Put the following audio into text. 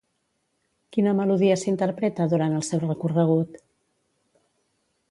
Quina melodia s'interpreta durant el seu recorregut?